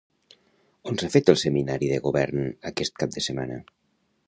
On s'ha fet el seminari de govern aquest cap de setmana?